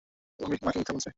ওর মাকে মিথ্যা বলেছে।